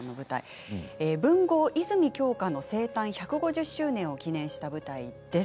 文豪泉鏡花の生誕１５０周年を記念した舞台です。